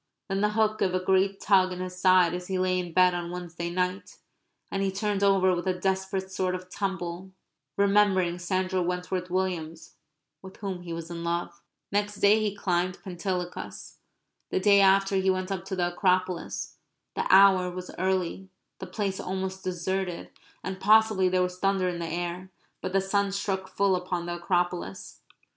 Then the hook gave a great tug in his side as he lay in bed on Wednesday night; and he turned over with a desperate sort of tumble, remembering Sandra Wentworth Williams with whom he was in love. Next day he climbed Pentelicus. The day after he went up to the Acropolis. The hour was early; the place almost deserted; and possibly there was thunder in the air. But the sun struck full upon the Acropolis.